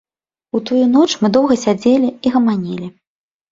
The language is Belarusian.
У тую ноч мы доўга сядзелі і гаманілі.